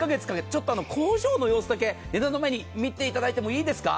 ちょっと工場の様子だけ値段の前に見ていただいていいですか。